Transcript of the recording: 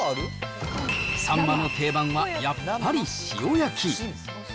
サンマの定番はやっぱり塩焼き。